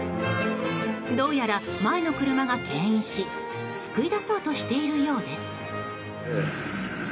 どうやら前の車が牽引し救い出そうとしているようです。